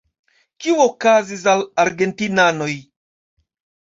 Kio okazis al argentinanoj?